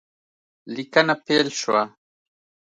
لیکنه پیل شوه